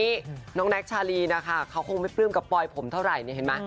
นี่น้องแน็กชาลีนะคะเขาคงไม่ปลื้มกับปลอยผมเท่าไหร่เนี่ยเห็นไหม